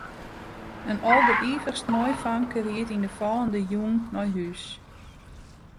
In alderivichst moai famke ried yn 'e fallende jûn nei hús.